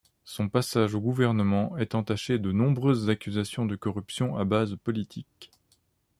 Son passage au gouvernement est entaché de nombreuses accusations de corruption à base politique,